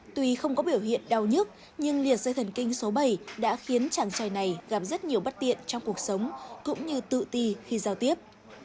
tuy không có biểu hiện đau nhức nhưng liệt dây thần kinh số bảy đã khiến chàng trai này gặp rất nhiều bất tiện trong cuộc sống cũng như tự ti khi giao tiếp